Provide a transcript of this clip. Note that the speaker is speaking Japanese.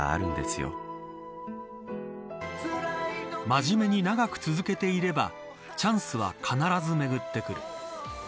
真面目に長く続けていればチャンスは必ずめぐってくる。